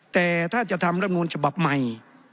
แต่ถ้าจะทำรำนูลฉบับใหม่